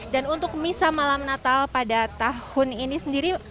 dan untuk misa malam natal pada tahun ini sendiri